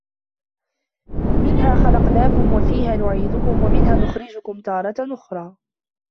مِنْهَا خَلَقْنَاكُمْ وَفِيهَا نُعِيدُكُمْ وَمِنْهَا نُخْرِجُكُمْ تَارَةً أُخْرَى